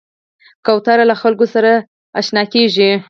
کوتره له خلکو سره ژر اشنا کېږي.